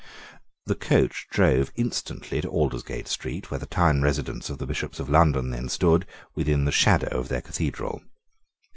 The coach drove instantly to Aldersgate Street, where the town residence of the Bishops of London then stood, within the shadow of their Cathedral.